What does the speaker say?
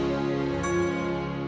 ya saya pikirkan